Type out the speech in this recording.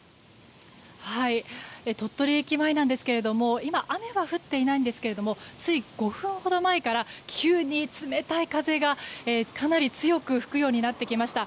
鳥取駅前なんですが今、雨は降っていないんですがつい５分ほど前から急に冷たい風が、かなり強く吹くようになってきました。